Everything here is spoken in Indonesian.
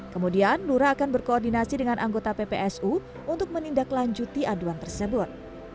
kemudian nura akan berkoordinasi dengan anggota ppsu untuk menindaklanjuti aduan tersebut